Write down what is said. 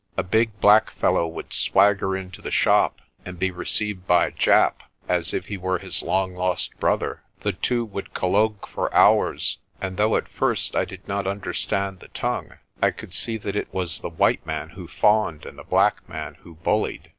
A big black fellow would swagger into the shop, and be received by Japp as if he were his long lost brother. The two would collogue for hours 5 and though at first I did not understand the tongue, I could see that it was the white man who fawned and the black man who bullied.